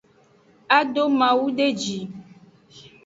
A do mawu de ji.